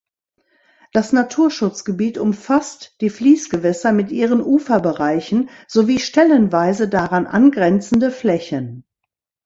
Das Naturschutzgebiet umfasst die Fließgewässer mit ihren Uferbereichen sowie stellenweise daran angrenzende Flächen.